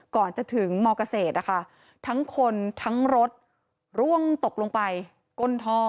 ก่อนจะถึงมเกษตรนะคะทั้งคนทั้งรถร่วงตกลงไปก้นท่อ